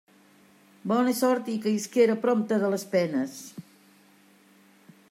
Bona sort i que isquera prompte de les penes!